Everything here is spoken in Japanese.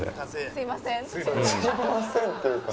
「すみません」っていうか。